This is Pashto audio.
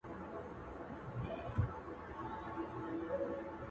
پښتون ژغورني غورځنګ ته-!